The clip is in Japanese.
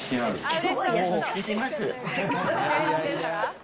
きょうは優しくします。